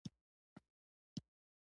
د لوبو سامان وارداتی دی؟